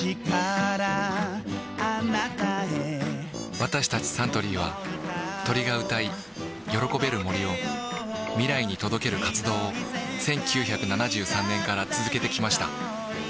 私たちサントリーは鳥が歌い喜べる森を未来に届ける活動を１９７３年から続けてきました